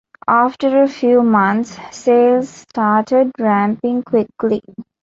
After a few months, sales started ramping quickly.